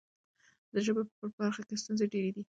د ژبې په برخه کې ستونزې ډېرې دي.